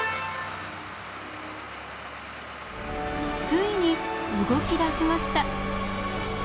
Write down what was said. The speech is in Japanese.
ついに動きだしました。